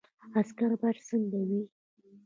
عسکر باید څنګه وي؟